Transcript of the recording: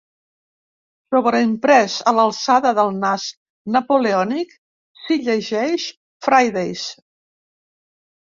Sobreimprès a l'alçada del nas napoleònic s'hi llegeix «Fridays.